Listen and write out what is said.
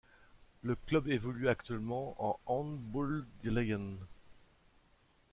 Le club évolue actuellement en Håndboldligaen.